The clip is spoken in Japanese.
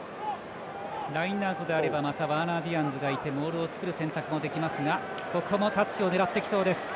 ラインアウトであればワーナー・ディアンズがいてまたモールを作る選択もありますがここもタッチを狙ってきそうです。